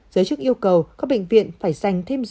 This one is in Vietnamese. giới chức yêu cầu các bệnh viện phải dành